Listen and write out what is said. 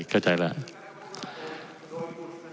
เข้าใจแล้ว